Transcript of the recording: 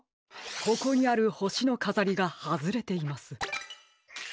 ここにあるほしのかざりがはずれています。